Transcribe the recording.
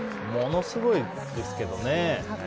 ものすごいですけどね。